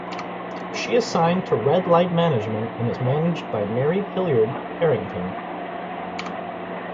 She is signed to Red Light Management and is managed by Mary Hilliard Harrington.